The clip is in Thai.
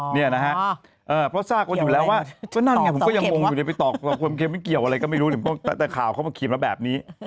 เนี่ยนะฮะเพราะทราบว่าอยู่แล้วว่ามันเกี่ยวอะไรก็ไม่รู้แต่ข่าวเขามาเขียนมาแบบนี้